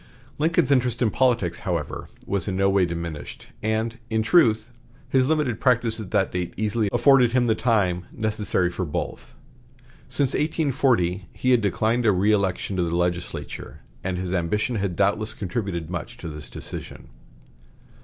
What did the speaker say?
Lincoln's interest in politics, however, was in no way diminished, and, in truth, his limited practice at that date easily afforded him the time necessary for both. Since 1840 he had declined a reëlection to the legislature, and his ambition had doubtless contributed much to this decision.